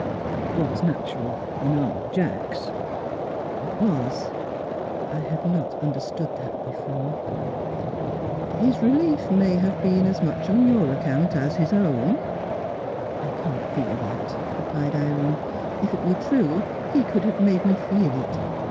"It was natural in Arnold Jacks." "It was. I had not understood that before." "His relief may have been as much on your account as his own." "I can't feel that," replied Irene. "If it were true, he could have made me feel it.